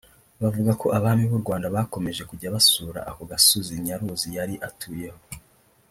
bavuga ko abami b’u Rwanda bakomeje kujya basura aka gasozi Nyaruzi yari atuyeho